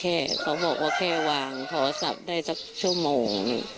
เขาบอกว่าแค่วางโทรศัพท์ได้สักชั่วโมง